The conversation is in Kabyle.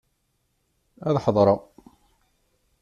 Ad ḥadreɣ.